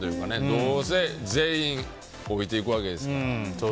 どうせ、全員老いていくわけですから。